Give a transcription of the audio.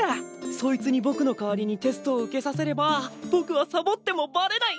そいつにぼくの代わりにテストを受けさせればぼくはサボってもバレない。